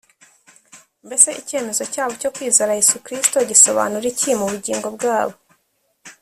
Mbese icyemezo cyabo cyo kwizera Yesu Kristo gisobanura iki mu bugingo bwabo?